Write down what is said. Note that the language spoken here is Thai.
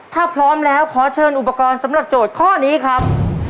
ถ้าพร้อมแล้วขอเชิญอุปกรณ์สำหรับโจทย์ข้อนี้ครับ